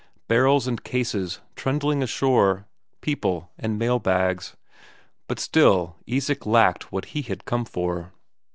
Barrels and cases trundling ashore, people and mailbags, but still Isak lacked what he had come for.